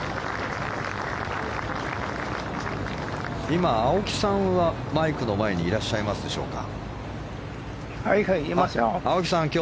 今、青木さんはマイクの前にいらっしゃいますでしょうか。